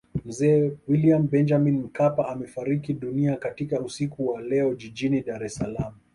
Mzee William Benjamin Mkapa amefariki dunia katika usiku wa leo Jijini Dar es Salaam